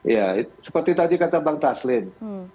ya seperti tadi kata bang taslim